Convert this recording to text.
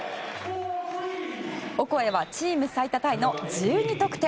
オコエはチーム最多タイの１２得点。